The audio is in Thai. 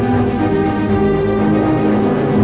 ไม่ต้องกลับมาที่นี่